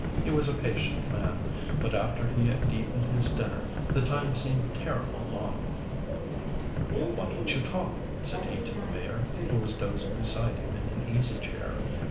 He was a patient man, but after he had eaten his dinner the time seemed terrible long. "Why don't you talk?" said he to the Mayor, who was dozing beside him in an easy chair.